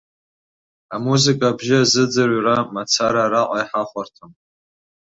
Амузыка абжьы азыӡырҩра мацара араҟа иҳахәарҭам.